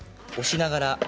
押しながら。